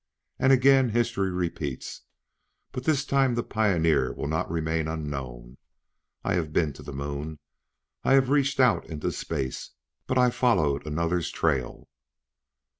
And again history repeats. But this time the pioneer will not remain unknown. I have been to the Moon; I have reached out into space but I followed another's trail.